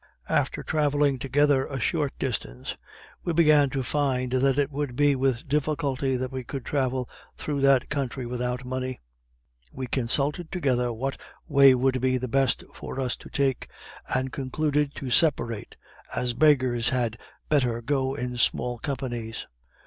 After travelling together a short distance, we began to find that it would be with difficulty that we could travel through that country without money. We consulted together what way would be the best for us to take, and concluded to separate, as beggars had better go in small companies.